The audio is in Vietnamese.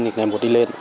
ngày một đi lên